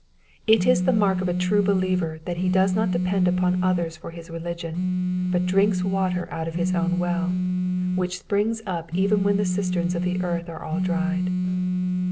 It is the mark of a true believer that he does not depend upon others for his religion, but drinks water out of his own well, which springs up even when the cisterns of earth are all dried.